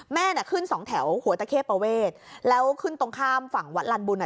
แม่น่ะขึ้นสองแถวหัวตะเข้ประเวทแล้วขึ้นตรงข้ามฝั่งวัดลันบุญอ่ะ